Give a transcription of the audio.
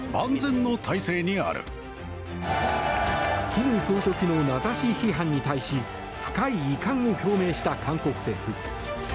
金総書記の名指し批判に対し深い遺憾を表明した韓国政府。